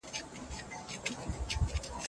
که کاغذ وي نو بیړۍ نه ډوبیږي.